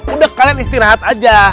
udah kalian istirahat aja